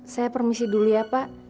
saya permisi dulu ya pak